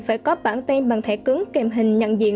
phải có bản tem bằng thẻ cứng kèm hình nhận diện